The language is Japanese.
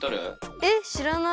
えっしらない。